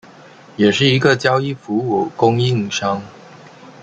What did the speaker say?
也是一个交易服务供应商。